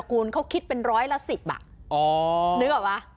เขาคิดเป็นร้อยละ๑๐บาทนึกออกปะ